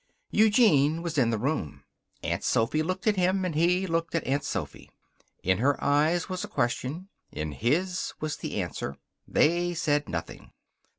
Eugene was in the room. Aunt Sophy looked at him and he looked at Aunt Sophy. In her eyes was a question. In his was the answer. They said nothing.